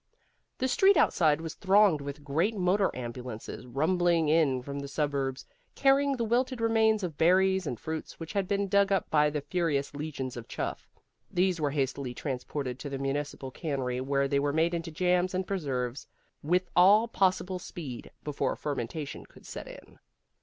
The street outside was thronged with great motor ambulances rumbling in from the suburbs, carrying the wilted remains of berries and fruits which had been dug up by the furious legions of Chuff. These were hastily transported to the municipal cannery where they were made into jams and preserves with all possible speed, before fermentation could set in.